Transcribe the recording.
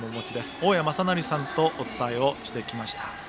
大矢正成さんとお伝えしてきました。